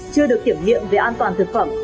chưa được kiểm nghiệm về an toàn thực phẩm